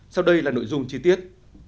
sau đây là nội dung chi tiết